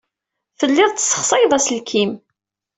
Telliḍ tessexsayeḍ aselkim.